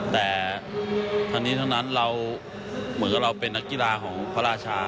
แต่ทั้งนี้ทั้งนั้นเราเหมือนกับเราเป็นนักกีฬาของพระราชา